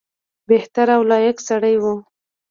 بهتر او لایق سړی وو.